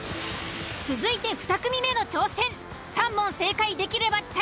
続いて２組目の挑戦。